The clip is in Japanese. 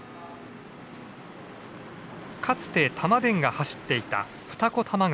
かつて玉電が走っていた二子玉川。